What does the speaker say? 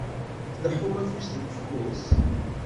Tleḥḥum afus deg ufus?